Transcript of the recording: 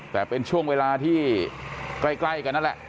แต่เป็นช่วงเวลาที่ใกล้กันนั่นแหละ